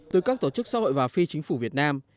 từ các tổ chức xã hội và phi chính phủ việt nam